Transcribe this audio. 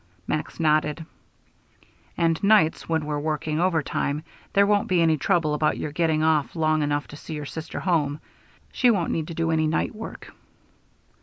Max nodded. "And nights when we're working overtime, there won't be any trouble about your getting off long enough to see your sister home. She won't need to do any night work."